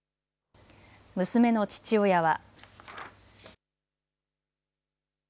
娘の父親は。